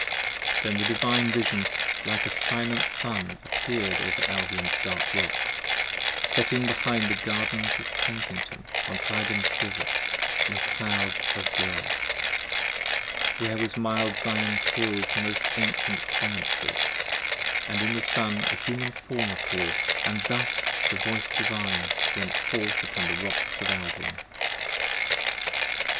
p. 29 THEN the Divine Vision like a silent Sun appear'd above Albion's dark rocks: setting behind the Gardens of Kensington On Tyburn's River: in clouds of blood: where was mild Zion Hill's Most ancient promontory: and in the Sun, a Human Form appear'd, 5 And thus the Voice Divine went forth upon the rocks of Albion.